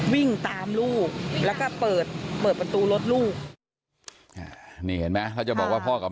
นี่เห็นไหมแล้วเขาจะบอกว่าพ่อกับ